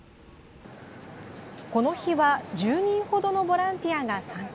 この日は１０人ほどのボランティアが参加。